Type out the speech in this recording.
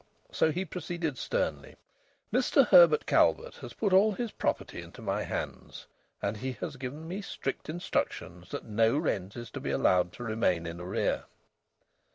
So he proceeded sternly: "Mr Herbert Calvert has put all his property into my hands, and he has given me strict instructions that no rent is to be allowed to remain in arrear."